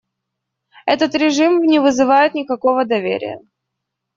Этот режим не вызывает никакого доверия.